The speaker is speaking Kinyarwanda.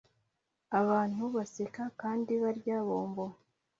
Abantu baseka kandi barya bombo